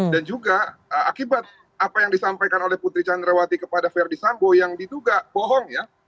dan juga akibat apa yang disampaikan putri candrawati kepada verdi sambo yang dituga bohong ya